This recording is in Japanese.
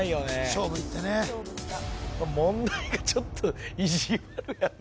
勝負いった問題がちょっと意地悪やな